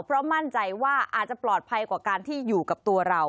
เพราะมั่นใจว่าอาจจะปลอดภัยกว่าการที่อยู่กับตัวเรา